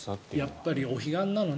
やっぱりお彼岸なのね。